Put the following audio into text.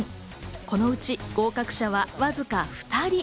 このうち合格者はわずか２人。